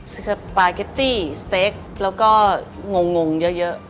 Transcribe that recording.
สปาเกตตี้สเต็กแล้วก็งงเยอะ